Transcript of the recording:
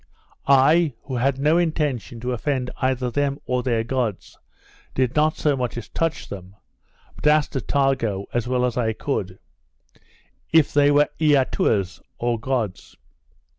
I, who had no intention to offend either them or their gods, did not so much as touch them, but asked Attago, as well as I could, if they were Eatuas, or gods.